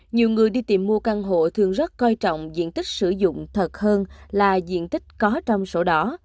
nhiều người đi tìm mua căn hộ thường rất coi trọng diện tích sử dụng thật hơn là diện tích có trong sổ đỏ